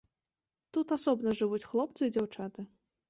Тут асобна жывуць хлопцы і дзяўчаты.